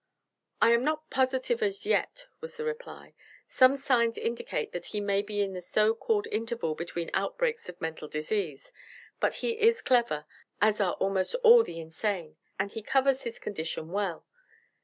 "I am not positive as yet," was the reply. "Some signs indicate that he may be in the so called interval between outbreaks of mental disease; but he is clever, as are almost all the insane, and he covers his condition well.